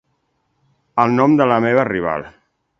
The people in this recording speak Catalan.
El nom de la meva rival.